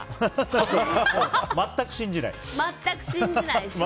全く信じない？